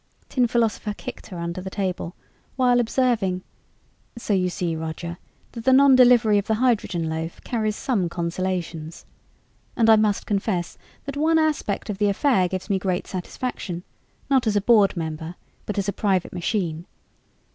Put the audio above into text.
Tin Philosopher kicked her under the table, while observing, "So you see, Roger, that the non delivery of the hydrogen loaf carries some consolations. And I must confess that one aspect of the affair gives me great satisfaction, not as a Board Member but as a private machine.